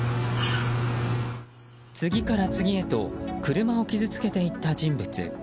次から次へと車を傷つけていった人物。